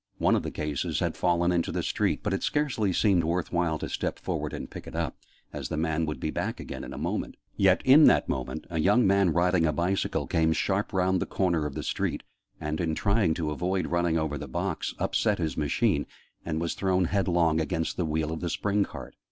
One of the cases had fallen into the street, but it scarcely seemed worth while to step forward and pick it up, as the man would be back again in a moment. Yet, in that moment, a young man riding a bicycle came sharp round the corner of the street and, in trying to avoid running over the box, upset his machine, and was thrown headlong against the wheel of the spring cart.